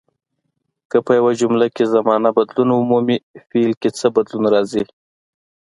که په یوه جمله کې زمانه بدلون ومومي فعل کې څه بدلون راځي.